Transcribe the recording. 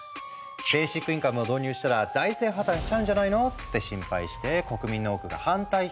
ベーシックインカムを導入したら財政破綻しちゃうんじゃないの？って心配して国民の多くが反対票を投じたんだ。